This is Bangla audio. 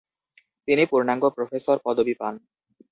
তিনি পূর্ণাঙ্গ প্রফেসর পদবী পান।